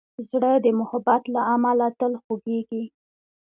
زړه د محبت له امله تل خوږېږي.